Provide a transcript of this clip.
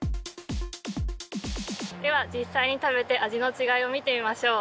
では実際に食べて味の違いを見てみましょう。